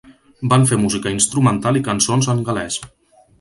Van fer música instrumental i cançons en gal·lès.